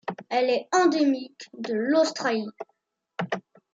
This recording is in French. Elle est endémique de l'Australie.